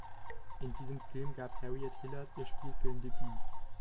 In diesem Film gab Harriet Hilliard ihr Spielfilmdebüt.